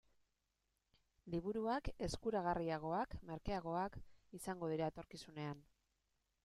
Liburuak eskuragarriagoak, merkeagoak, izango dira etorkizunean.